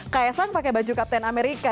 kaya sang pakai baju kapten amerika